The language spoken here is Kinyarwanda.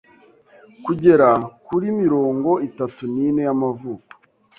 kugera kuri mirongo itatu n’ine y'amavuko,